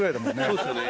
そうっすよね。